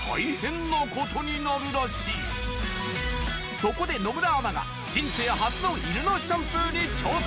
そこで野村アナが人生初の犬のシャンプーに挑戦！